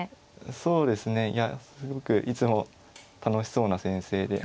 そうですねいやすごくいつも楽しそうな先生で。